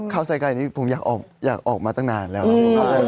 ข้าวใส่ไก่นี้ผมอยากออกมาตั้งนานแล้วครับ